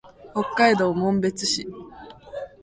北海道紋別市